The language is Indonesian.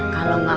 kalau gak mau